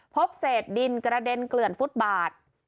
พบเศษดินกระเด็นเกลื่อนฟุตบาท